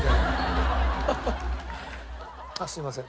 すいません。